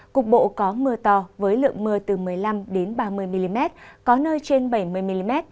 cục bộ có mưa to với lượng mưa từ một mươi năm ba mươi mm có nơi trên bảy mươi mm